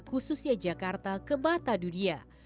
khususnya jakarta ke mata dunia